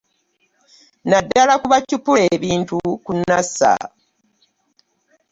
Naddala ku bacupula ebintu ku Nasser